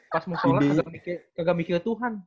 pas mau sholat kagak mikir tuhan